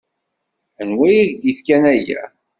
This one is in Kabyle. Anwa i yak-d-ifkan aya?